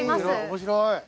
面白い！